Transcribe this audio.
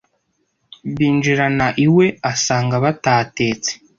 Binjirana iwe asanga batatetse